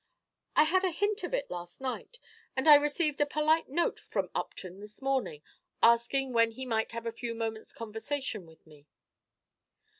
"I had a hint of it last night, and I received a polite note from Upton this morning, asking when he might have a few moments' conversation with me."